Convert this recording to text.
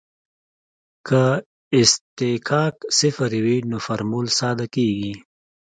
که اصطکاک صفر وي نو فورمول ساده کیږي